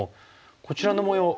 こちらの模様